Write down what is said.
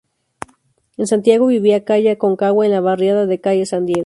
En Santiago vivía calle Aconcagua en la barriada de calle San Diego.